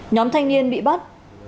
nhóm thanh niên bị bắt